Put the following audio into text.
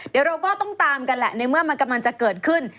เดี๋ยวเราก็ต้องตามกันแหละในเมื่อมันกำลังจะเกิดขึ้น